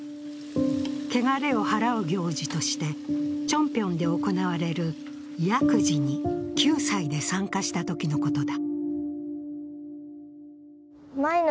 けがれを払う行事としてチョンピョンで行われる役事に９歳で参加したときのことだ。